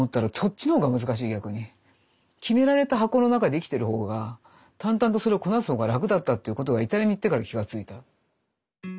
決められた箱の中で生きてる方が淡々とそれをこなす方が楽だったっていうことがイタリアに行ってから気が付いた。